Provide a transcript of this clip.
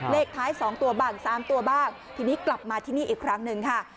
เลขท้าย๒ตัวบ้าง๓ตัวบ้างทีนี้กลับมาที่นี่อีกครั้งหนึ่งค่ะ